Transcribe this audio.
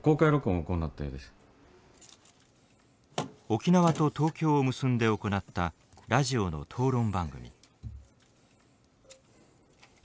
沖縄と東京を結んで行ったラジオの討論番組。